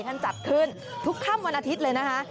ท่านจัดขึ้นทุกค่ำวันอาทิตย์เลยนะคะ